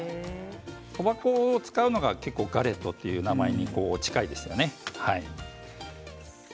そば粉を使うのが結構ガレットという名前に近いですね。